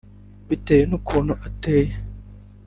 Bitewe n’ukuntu ateye